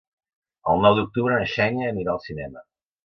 El nou d'octubre na Xènia anirà al cinema.